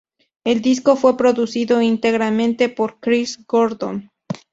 El disco fue producido íntegramente por Chris Gordon.